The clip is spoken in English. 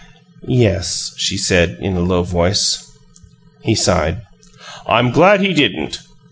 "Yes," she said, in a low voice. He sighed. "I'm glad he didn't.